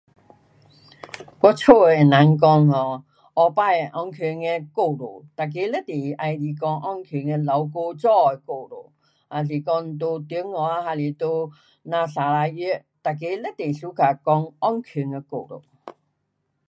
我家的人讲 um 头次安全的故事，每个非常喜欢讲安全的老古早的故事。若是讲在中国还是讲咱砂朥越，每个非常喜欢讲安全的故事。